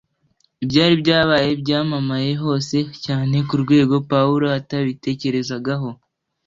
Ibyari byabaye byamamaye hose cyane ku rwego Pawulo atabitekerezagaho.